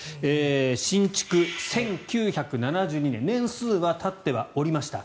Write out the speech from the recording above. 新築１９７２年年数はたってはおりました。